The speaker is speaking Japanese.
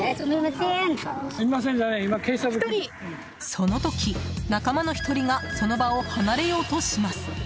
その時、仲間の１人がその場を離れようとします。